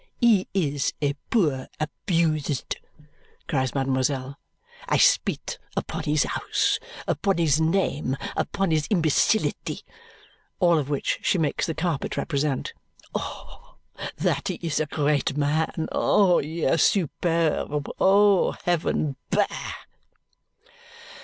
"He is a poor abused!" cries mademoiselle. "I spit upon his house, upon his name, upon his imbecility," all of which she makes the carpet represent. "Oh, that he is a great man! Oh, yes, superb! Oh, heaven! Bah!"